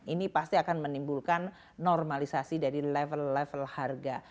ini pasti akan menimbulkan normalisasi dari level level harga